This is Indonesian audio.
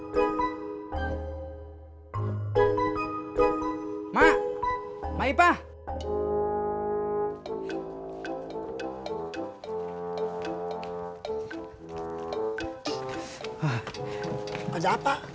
cuatro tahun penjara